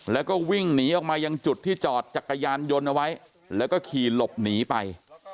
แล้วก็วิ่งหนีออกมายังจุดที่จอดจักรยานยนต์เอาไว้แล้วก็ขี่หลบหนีไป